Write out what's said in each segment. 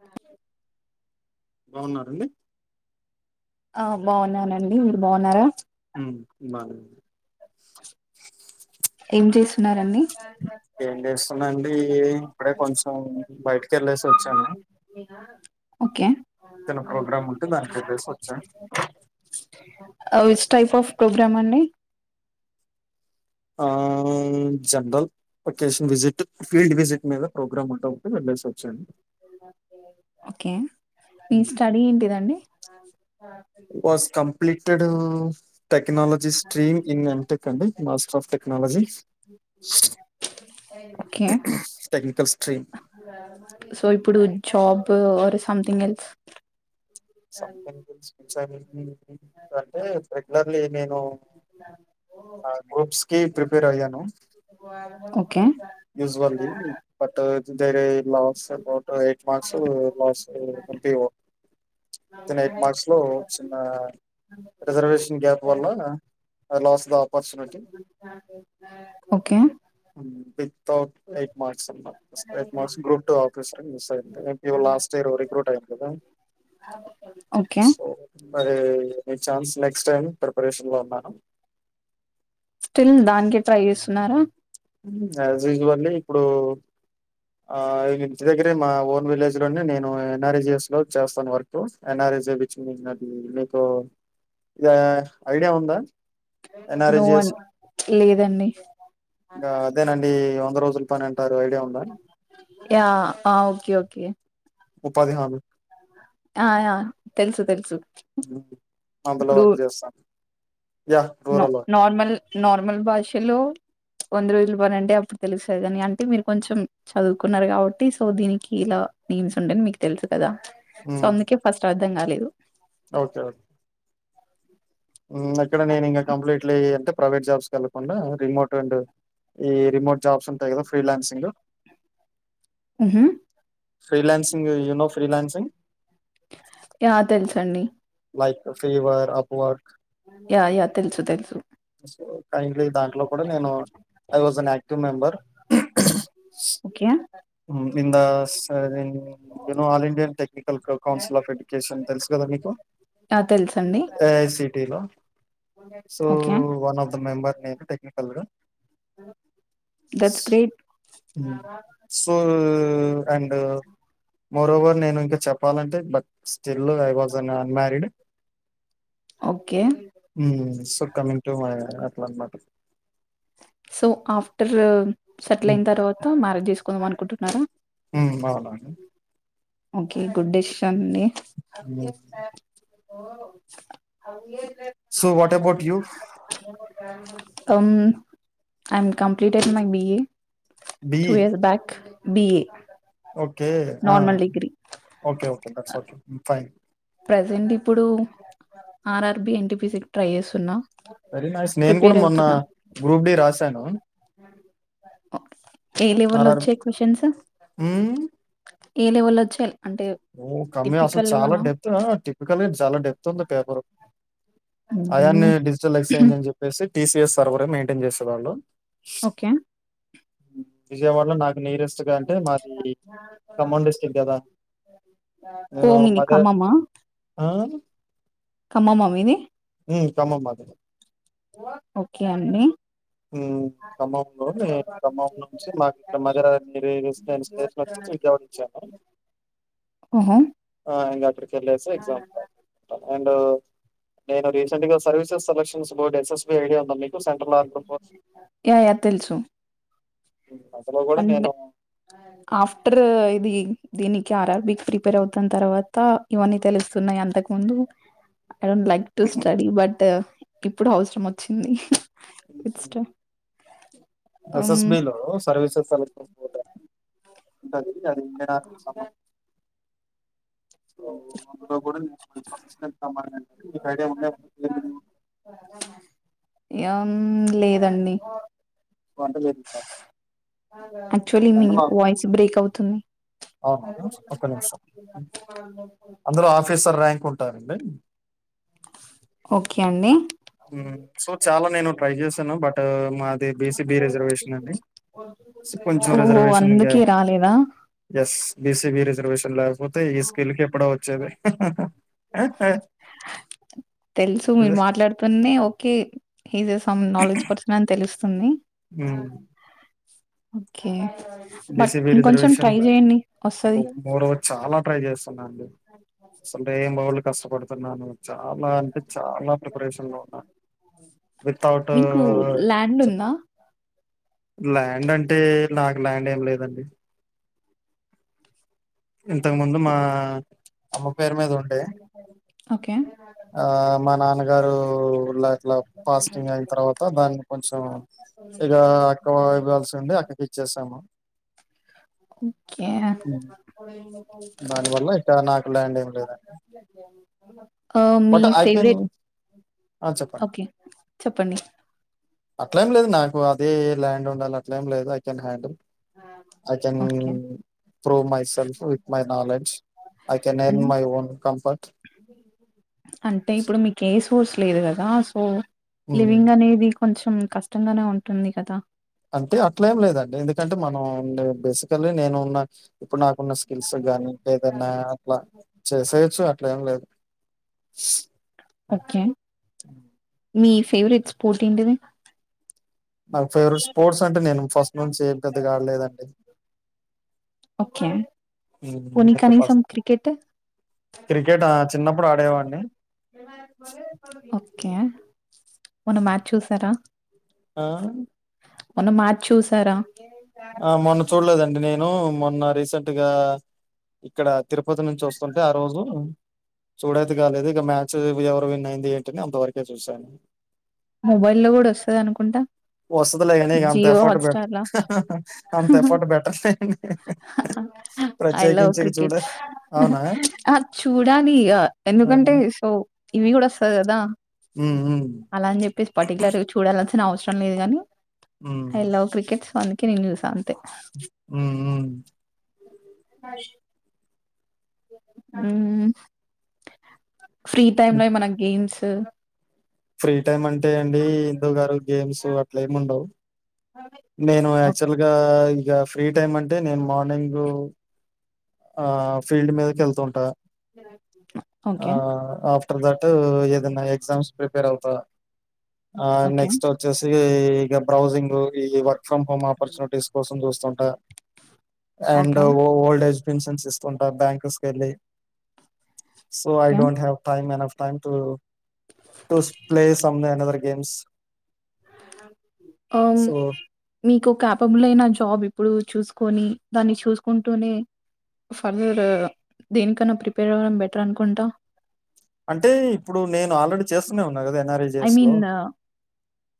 ఆ బావున్నారంండి ఆ బాగున్నానండి మీరు బాగున్నార ఉమ్ బానె ఏం చేస్తున్నారండి ఏం చేస్తున్నాండి ఏం ఇప్పుడే కొంచెం బయటకి వెళ్ళేసి వచ్చాను చ ఓకే చిన్న ప్రోగ్రామ్ ఉంటే దానికి వెళ్ళేసి వచ్చాను అవి విచ్ టైప్ ఆఫ్ ప్రోగ్రామ్ అండి ఆ general occasion visit field visit మీద ప్రోగ్రామ్ ఉంటాది వెళ్ళేసి వచ్చాడి ఒకె మీ స్టడీ ఏంటిదండి ప్లిటెడ్ టెక్నాలజీ స్ట్రీమ్ ఇన్ ఎమ్టెక్ అండి master of technology okay technical stream job or something else ఒక్సారి మ్ అంటే రగ్యులర్ లే నేను అ గ్రేప్స్ కి ప్రిపేర్ అయ్యాను ము యూజ్వల్లీ బక్క గయితు జడ ఎయిట్ మార్క్స్ లాస్ ఓ అంటవ ఎయిట్ మార్క్స్ లో చిన్న రిజర్వేషన్ గ్యాప్ వల్ల స్ the opportunity okay eight marks uh eight marks group two office miss అయింది లాస్ట్ ఇయర్ రిక్రూట్ అయింది కదా ఓకే సో మరి మీ ఛాన్స్ నెక్స్ట్ టైమ్ ప్రిపరేషన్ లో ఉన్నాను వన్నారా యాజ్ యూజువల్లీ ఇప్పుడు ఆ ఇంటి దగ్గరే మా ఓన్ విలేజ్ లోనే నేను ఎన్ఆర్ఎజఎస్ లో చేస్తాను వర్క్ ఎన్ఆర్ఎజ బది మీకు ఇది ఐడియా ఉందా నో వన్ ఎన్ఆర్ఎజిఎస్ లేదండి ఇ అదేనండి వంద రోజుల పనండి యా ఓకే ఓకే యా ఆ తెలుసు తెలుసు అందులో ఇప్పుడు వర్క్ చేస్తాను. Yeah rural work normal normal భాషలో వంద రోజులు పని అంటే అప్పుడు తెలుస కాని అంటే మీరు కొంచెం చదువుకున్నారు కాబట్టి సో దీనికి ఇలా నేమ్స్ ఉండాయని మీకు తెలుసు కదా. సో ఉమ్, అందుకే ఫస్ట్ అది అర్థం కాలేదు ఓకే ఓకే ఇక్కడ నేను ఇంకా కంప్లీట్లీ అంటే ప్రైవేట్ జాబ్స్ క వెళ్ళకుండా రిమోట్ అండ్ ఈ రిమోట్ జాబ్స్ ఉంటాయి కదా ఫ్రీలాన్సింగ్ ఆహ ఫ్రీలాన్సింగ్ యూనో ఫ్రీలాన్సింగ్ యా తెలుసండి like Fiverr Upwork yeah yeah తెలుసు తెలుసు [unintelligible] దాంట్లో కూడా నేను I was too member okay ఇంద you know all Indian technical council of education తెలుసు కదా మీకు యా తెలుసండి ఏఐసిటిలో so. Okay. One of the member నేను టెక్నికల్ గా దట్స్ గ్రేట్. సో అండ్ మరోవరు నేను ఇంకా చెప్పాలంటే బ స్టల్ I was an unmarried. Okay. Soon coming అ అట్లా అన్నమాట సో ఆఫ్టర్ సెటిల్ అయిన తర్వాత మ్యారేజ్ చేసుకుంటావా కొందం అనుకుంటునారా హు అవును అండి ఓకే గుడ్ డిషన్ అండి ఓ అవు ఏ so what about you um I'm completed my BA B two years back BA okay ఆ okay okay that's all I'm fine present ఇప్పుడు ఆర్ఆర్బి ఎన్టీపిజి కి ట్రై చేస్తున్నా నేను కూడా ప్రిపేర్ మొన్న అవుతున్నా. గ్రూప్ డి రాశాను ఏ లెవెల్ లో ఆర్ఆర్ వచ్చాయి క్వశచన్స్ ఏ లేవళ్ళ చెల్ ఓ కమ్మయి అసలు చాలా డెప్త్ టిపికలీ చాలా డెప్త్ ఉంది పేపర్ అయాన్ని హ్మ్. డిజిటల్ ఎక్స్చేంజ్ అని చెప్పేసి టీ సి ఎస్ సర్వరే మెయింటైన్ చేసేవాళ్ళు ఓకే క్ నీరెస్ట్ గా అంటే మాది ఖమ్మం డిస్టిక్ కదా ఓ నేను మీది మద ఖమ్మమ ఆ ఖమ్మమా మీది హ్మ్ ఖమ్మం మాది ఓకే అండి ఖమ్మం నేను ఖమ్మం నుంచి మాకు ఇక్కడ మధరరు నేను స్టేషన్ వచ్చసి విజవాడ ఇచ్చాను ఓహో! ఆ ఇంకగ అక్కడికి వెళ్ళసి ఎగ్జామ్ స్ చేకుంటా అండ్ నేను రీసెంట్ గా services selection board SSB idea ఉంద మీకు సెంటర్ యా యా తెలుసు అందులో కూడా అంటే నేను ఆఫ్టర్ ఇది దీనికి ఆర్ఆర్బికి ప్రిపేర్ అవుతున్న తర్వాత ఇవన్నీ తెలుస్తున్నాయి అంతకు ముందు I don't like to study but ఇప్పుడు అవసరం వచ్చింది ఇట్స్ ఎస్ఎస్బి లో సర్వీసెస్ స అ [unintelligible] ఓ అనుకో కూడా మంచి ఆఫీసు కెళ్త మర్ నేను ఉండాలంట [inaudible] ఏం లేదండి కోల్త వేపిత్తం యాక్చువల్లీ మీ వాయిస్ బ్రేక్ అవ్ తున్ అవును ఒక నిమిషం అందులో ఆఫీసర్ ర్యాంక్ ఉ టా దండి ఓకే అండి ఉమ్ సో చాలా నేను ట్రై చేసాను బట్ మాది బీసీబీ రిజర్వేషన్ అండి కొంచెం ఓహో రిజర్వేషన్ అందుకే రాలేదా బీసిబీ రిజర్వషన్ లా పోతయి ఈ స్కిల్ కి ఎప్పుడో వచ్చేది తెలుసు మీరు మాట్లాడుతునే okay is some knowledge person అని తెలుస్త తుంది ఉమ్ ఓకే బట్ బిసీబీ ఇంకొంచెం రిజర్వేషన్ ట్రై ల చేయండి వస్తుంది మూడ చాలా ట్రై చేస్తున్నాండి అసలు ఏమ్ బాగ్ కష్టపడుతున్నాను చాలా అంటే చాలా ప్రిపరేషన్ లో ఉన్నా విత్ ఔట్ ఉ మీకు ల్యాండ్ ఉందా ల్యాండ్ అంటే నాక్ ల్యాండ్ ఏం లేదండి ఇంతకు ముందు మా అమ్మ పేరుమీద ఉన్ ఓకే ఆ మా నాన్నగారులా ఇట్లా ఫాస్టింగ్ అయిన తర్వాత దాన్ని కొంచెం ఇక అక్క ఇవ్వాల్సిన్ ది అక్కకిచ్చేసాము ఓకే దాని వల్ల ఇక నాకు ల్యాండ్ ఏం లేదండి ఓ మీ బట్ ఐ కెన్ ఫేవరెట్ ఆ చెప్పండి ఓకే చెప్పండి అట్లేం లేదు నాకు అదే ల్యాండ్ ఉండాలఅట్లేం లేదు ఐ కెన్ హ్యాండిల్ ఆచని ఓకే. ప్రో మైసల్ with my knowledge I can అన్ ఎర్న్ మై ఓన్ కంఫర్ట్ చూస్ లేదు కదా సో లివింగ్ అనేది కొంచెం కష్టంగానే ఉంటుంది కదా అంటే అట్లేం లేదండి ఎందుకంటే మనం బేసికల్లీ నేను ఉన్న ఇప్పుడు నాకు కున్న స్కిల్స్ గానీ ఏదైనా అట్లా చేసేయచ్చు అట్లేం లేదు ఓకే మీ ఫేవరెట్ స్పోర్ట్ ఏంటిది నాకు ఫేవరెట్ స్పోర్ట్స్ అంటే నేను ఫస్ట్ నుంచి ఏ పెద్ద కాడలేదండి ఓకే హ్మ్. ఇక పోనికనీసం ఫస్ట్ క్రికెట్ క్రికెట్ ఆ! చిన్నప్పుడు ఆడేవాడిని. కే మొన్న మ్యాచ్ చూసారా ఆ! మొన్న మ్యాచ్ చూసారా ఆ మొన్న చూడలేదండి నే ను మొన్న రీసెంట్గా ఇక్కడ తిరుపతి నుంచి వస్తుంటే ఆ రోజు చూడేది కాలేదు ఇక మ్యాచ్ ఎవరు విన్ అయింది ఏంటి అంతవరకే చూశాను మొబైల్లో కూడా వస్తది అనుకుంటా వస్తదిలే గాని ఇక అంత జియో ఎఫర్ట్ పెట్ హాట్స్టార్లా అంత ఎఫర్ట్ పెట్టనులేండి. ఐ లవ్ ప్రత్యేకించి చూడ క్రికెట్ అవునా? ఆ చూడాలి ఆ! ఎందుకంటే సో ఇవి కూడా వస్తది కదా హ్మ్. హ్మ్. అలాని చెప్పేసి పట్టికులర్గా చూడాలన్ నవసరం లేదు గాని ఐ లవ్ క్రికెట్ అందుకే నేన్ చూసా మ్మ్ మ్మ్ అ మ్మ్ ఫ్రీ టైమ్ లో మనకు గేమ్స్ టు ఫ్రీ టైమ్ అంటే అండి ఇదోగరు గేమ్స్ అట్ల ఏముండవ్ నేను ఓ యాక్చువల్ గా ఇగ ఫ్రీ టైమ్ అంటే నేను మార్నింగ్ ఆ ఫీల్డ్ మీదకి ఎళ్తుంటా ఆ ఓకే ఆఫ్టర్ దాట్ ఏదన్నా ఎగజామ్స్ ప్రిపేర్ అవుతా ఆ ఓకే నెక్స్ట్ ఆచ్చేసి ఈగా బ్రౌజింగు ఈ వర్క్ ఫ్రమ్ హోమ్ ఆపర్చునిటీస్ కోసం చూస్తాం ఆ and okay old age pensions ఇస్తూంటా బ్యాంక్స్ వెళ్ళి so I okay don't have time enough టైన్ to just play some or other games um so మీకు కపబుల్ అయిన జాబ్ ఇప్పుడు చూస్ కొని దాన్ని చూసుకుంటూనే ఫర్దర్ దేనికన్నా ప్రిపేర్ అవ్వడం బెటర్ అనుకుంటా అంటే ఇప్పుడు నేన్ ఆల్రెడీ చేస్తూనే ఉన్నా కదా ఐ ఎన్ఆర్ఎజిఎస్ లో మీన్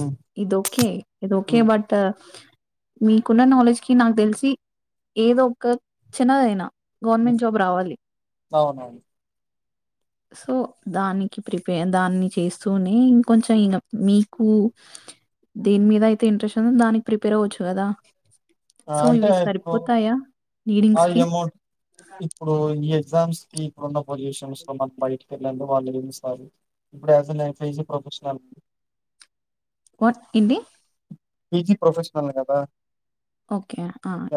ఉమ్, ఇది ఒకే ఇది ఒకే ఉమ్, బట్ మీకున్న నాలెడ్జ్ కి నాక్ తెలిసి ఏదో ఒక చిన్నదైనా గవర్నమెంట్ ఉమ్, జాబ్ రావాలి అవునవును సో దానికి ప్రిపే దాన్ని చేస్తూనే ఇంకొంచెం ఇగ మీకు దేని మీద అయితే ఇంట్రెస్ట్ ఉందో దానికి ప్రిపేర్ అవ్వచ్చు కదా. సో ఇవి సరిపోతాయా? రీడింగ్స్ అల్ కి అమౌంట్ ఇప్పుడు ఇఏజ్ ఎగ్జామ్స్ కి ఇప్పుడున్న పోజిషన్స్ వల్ల బయటికి వెళ్ళడి వాళ్ళు పిలుస్తారు, ఇప్పుడు హస్ ఏ పీజీ ప్రొఫెషనల్ ఆ ఏంటి? పీజీ ప్రొఫెషనల్ కదా ఓకే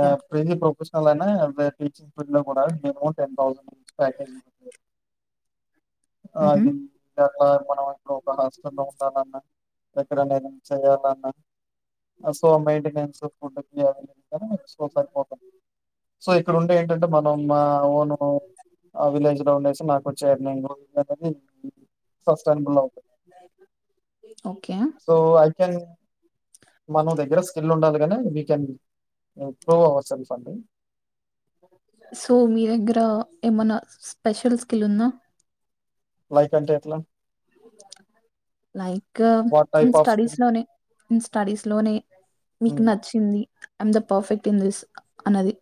ఆ యా పీజీ ప్రొఫెస్ అలానే వే టీచిస్ ఫీల్డ్ లో కూడా మినిమం టెన్ థౌసండ్ ప్యాకేజ్ ఉంది అ మ్హూ ఇన్ టా అంట లోపల నష్టంలో ఉండాలన్న ఎక్కడ నేన్ చెయ్యాలన్నా ఆసో మెంటెనెన్స్ [unintelligible] కానీ మంచి కోసం వాడతా సో ఇక్కడ ఉంటే ఏంటంటే మనం మా ఓను ఆ విలేజ్ లో ఉండసి మాకు వచ్చను [unintelligible] అ సస్బల్ ఓకే సో ఐ కెన్ మన దగ్గర స్ కిల్ కన్ ప్రూవ్ అవచ్చ ఫీ సో మీ దగ్గర ఏమనా స్పెషల్ స్కిల్ ఉందా ైక అంట ఎట్లా like what in type of studies skill? లోనే ఇన్ స్టడీస్ లోనే మీకు హ్మ్. నచ్చింది మ్ ద పర్ఫెక్ట్ ఇన్ దిస్ అన్నది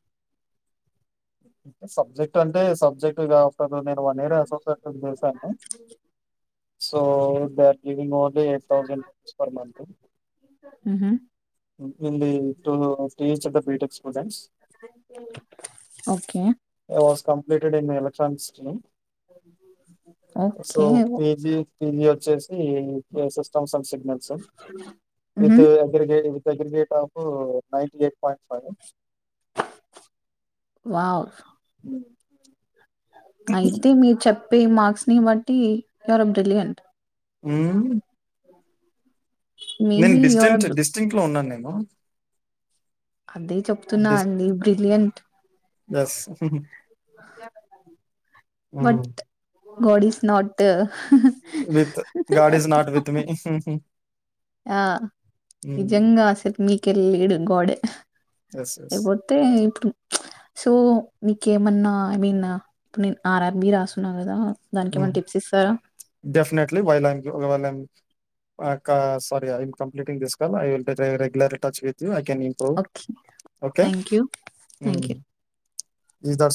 సబ్జెక్ట్ అంటే సబ్జెక్ట్గా నేను వన్ ఇయర్ అసోసియటె చేశాను సో ఇ దవింగ్ ఓన్లీ ఎయిట్ థౌసండ్ పర్ మ మ్హూ ఇడి ఇప్పు stage BTech students okay was completed electronics so okay PG PG వచ్చే సిస్టమ్స్ అండ్ సిగ్నల్స్ మ్హూ విత్ అగ ట్ ఆఫ్ నై ఎయిట్ పాయింట్ ఫైవ్ వావ్ అ అయితే మీరు చెప్ప ప మార్క్స్ ని బట్టి రో బ్రిలియయంంట్ ఆ నేను మేబీ యూఆర్ ఎ డిస్టింట్ బ్ డిస్టింట్ లో ఉన్నాను నేను హనా అదే చెప్తున్నా అండి brilliant bus what God is not with గార్డ is not with me హహ ఆ ఈ జంగా అసలు మీకు కెల్లి ఇడు గోడ ఎస్ ఎస్ ఇపోతే ఇప్పుడు సో నీకేమన్నా ఐ మీన్ ఇప్పుడు నేను ఆర్ఆర్బి రాసున్నా కదా దానికేమన్నా టిప్స్ ఇస్తారా? Definitely while sorry I'm completing తీసుకోవాలి I [unintelligible] regular touch with you. Okay thank you thank you. ఈ దర్శం